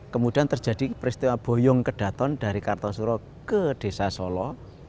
kemudian terjadi peristiwa boyong kedaton dari kartosuro ke desa solo